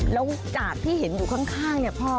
แล้วจากที่เห็นอยู่ข้างเนี่ยพ่อ